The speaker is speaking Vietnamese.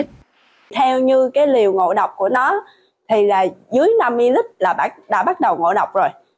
theo như liều ngộ độc của nó dưới năm ml là đã bắt đầu ngộ độc rồi